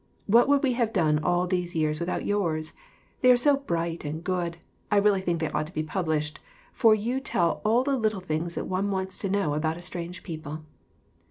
What would we have done all these years with out yours ? They are so bright and good I really think they ought to be published, for you tell all the little things that one wants to know about a strange people.